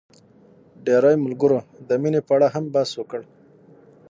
ډېری ملګرو د مينې په اړه هم بحث وکړ.